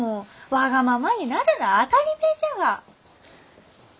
わがままになるなあ当たりめえじゃが。